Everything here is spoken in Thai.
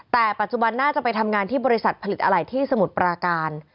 แต่ปัจจุบันน่าจะไปทำงานที่บริษัทผลิตอะไหล่ที่สมุทรปราการ